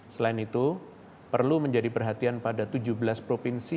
selain itu perlu menjadi perhatian pada tujuh belas provinsi